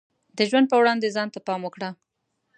د ژوند په وړاندې ځان ته پام وکړه.